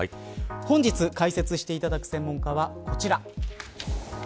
本日解説をしていただく専門家はこちら。